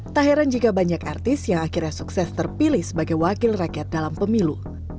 tak heran jika banyak artis yang akhirnya sukses terpilih sebagai wakil rakyat dalam pemilu